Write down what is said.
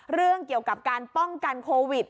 เรื่องเกี่ยวกับการป้องกันโควิด